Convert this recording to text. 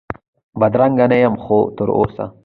بدرنګه نه یم خو تراوسه،